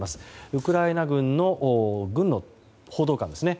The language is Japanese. ウクライナ軍の報道官ですね。